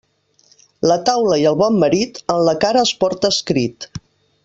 La taula i el bon marit, en la cara es porta escrit.